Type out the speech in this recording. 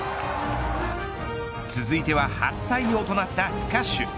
続いては初採用となったスカッシュ。